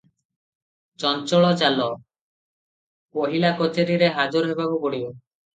"ଚଞ୍ଚଳ ଚାଲ, ପହିଲା କଚେରିରେ ହାଜର ହେବାକୁ ପଡିବ ।"